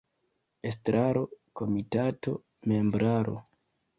Estraro – Komitato – Membraro.